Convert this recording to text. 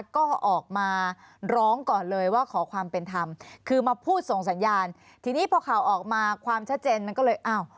ก็ออกมาร้องก่อนเลยว่าขอความเป็นธรรมคือมาพูดส่งสัญญาณทีนี้พอข่าวออกมาความชัดเจนมันก็เลยอ้าว